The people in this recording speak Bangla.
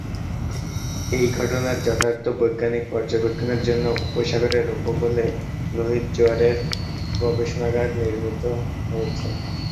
এই ঘটনার যথার্থ বৈজ্ঞানিক পর্যবেক্ষণের জন্য উপসাগরের উপকূলে লোহিত জোয়ার গবেষণাগার নির্মিত হয়েছে।